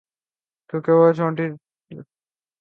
کیونکہ وہ چھوٹی جنگ بھی بغیر سوچے سمجھے شروع کی گئی تھی۔